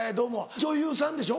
女優さんでしょ？